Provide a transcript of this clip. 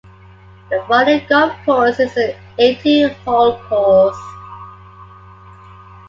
The Foley Golf Course is an eighteen-hole course.